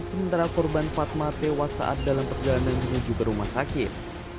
sementara korban fatma tewas saat dalam perjalanan menuju ke rumah sakit